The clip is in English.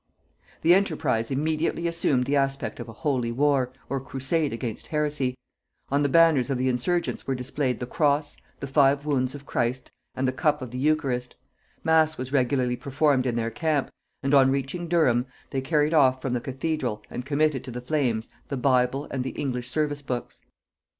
The enterprise immediately assumed the aspect of a Holy War, or crusade against heresy: on the banners of the insurgents were displayed the cross, the five wounds of Christ, and the cup of the eucharist: mass was regularly performed in their camp; and on reaching Durham, they carried off from the cathedral and committed to the flames the bible and the English service books.